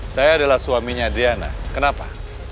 saya adalah suaminya diana kenapa